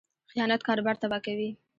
خیانت کاروبار تباه کوي.